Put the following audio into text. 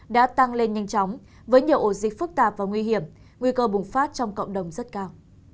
đã tăng lên nhanh chóng với nhiều ổ dịch phức tạp và nguy hiểm nguy cơ bùng phát trong cộng đồng rất cao